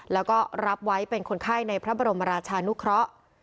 แล้วก็รับไว้เป็นคนไข้ในพระบรมราชานุเคราะห์